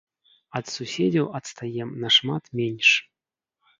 Ад суседзяў адстаем нашмат менш.